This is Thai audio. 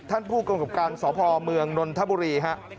ท่านผู้กรรมกรรมการสพเมืองนนทบุรี